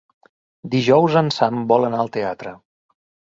Dijous en Sam vol anar al teatre.